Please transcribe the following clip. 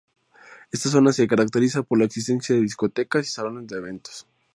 Esta zona se caracteriza por la existencia de discotecas y salones de eventos.